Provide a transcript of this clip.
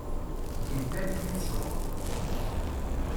Idda-d yid-s Luṭ.